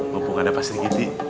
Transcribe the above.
mumpung ada pak sri kiti